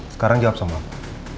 sekarang jawab sama aku